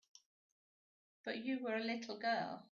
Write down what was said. But you were a little girl.